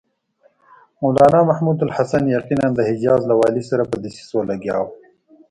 مولنا محمودالحسن یقیناً د حجاز له والي سره په دسیسو لګیا و.